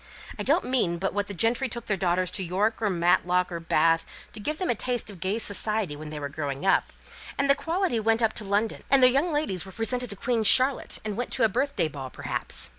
I don't mean but what the gentry took their daughters to York, or Matlock, or Bath, to give them a taste of gay society when they were growing up; and the quality went up to London, and their young ladies were presented to Queen Charlotte, and went to a birthday ball, perhaps.